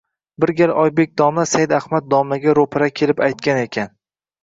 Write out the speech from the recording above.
Bir gal Oybek domla Said Ahmad domlaga ro‘para kelib aytgan ekan: